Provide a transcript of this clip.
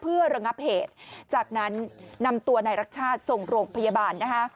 เพื่อระงับเหตุจากนั้นนำตัวนายรักชาติส่งโรงพยาบาลนะคะ